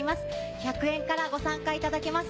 １００円からご参加いただけます。